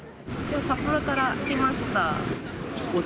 大阪から来ました。